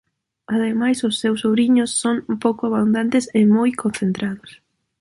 Ademais os seus ouriños son pouco abundantes e moi concentrados.